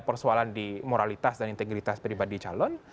persoalan di moralitas dan integritas pribadi calon